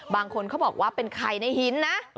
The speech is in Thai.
บางคนเขาบอกว่าเป็นไข่ในหินนะ